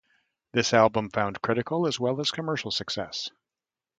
This album found critical as well as commercial success.